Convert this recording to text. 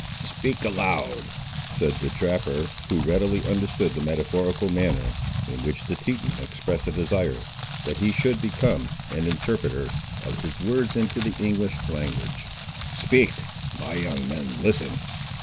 "Speak aloud!" said the trapper, who readily understood the metaphorical manner, in which the Teton expressed a desire that he should become an interpreter of his words into the English language; "speak, my young men listen.